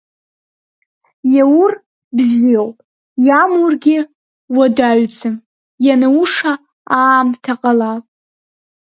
Иаур бзиоуп, иамургьы уадаҩӡам, ианауша аамҭа ҟалап.